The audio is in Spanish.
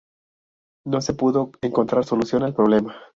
No se pudo encontrar solución al problema.